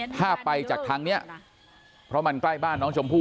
ถ้าไปจากทางนี้เพราะมันใกล้บ้านน้องชมพู่